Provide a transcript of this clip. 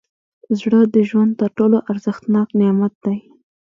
زړه د ژوند تر ټولو ارزښتناک نعمت دی.